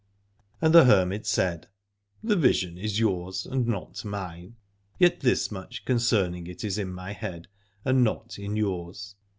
And the hermit said : The vision is yours and not mine : yet this much concerning it is in my head and not in yours.